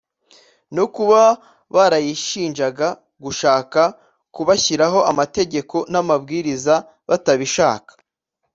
no kuba barayishinjaga gushaka kubashyiraho amategeko n’amabwiriza batabishaka